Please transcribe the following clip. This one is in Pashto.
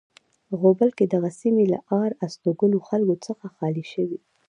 غوبل کې دغه سیمې له آر استوګنو خلکو څخه خالی شوې.